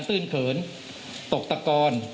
ื่นเขินตกตะกอน